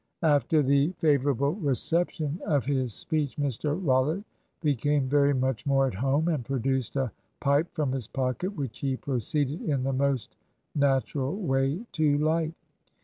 After the favourable reception of his speech, Mr Rollitt became very much more at home, and produced a pipe from his pocket, which he proceeded in the most natural way to light.